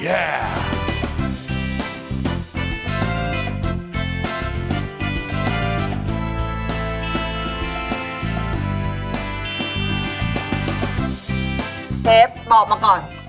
เชฟบอกมาก่อน